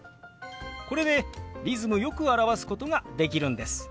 これでリズムよく表すことができるんです。